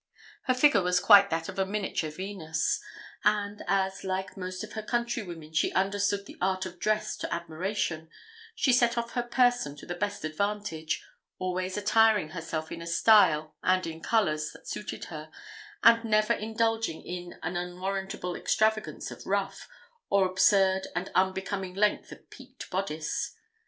Her figure was quite that of a miniature Venus; and as, like most of her country women, she understood the art of dress to admiration, she set off her person to the best advantage; always attiring herself in a style, and in colours, that suited her, and never indulging in an unwarrantable extravagance of ruff, or absurd and unbecoming length of peaked boddice.